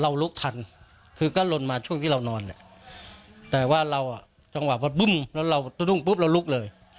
ลุกทันคือก็ลนมาช่วงที่เรานอนเนี่ยแต่ว่าเราอ่ะจังหวะพอบึ้มแล้วเราสะดุ้งปุ๊บเราลุกเลย